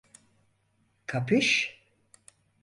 Kapiş?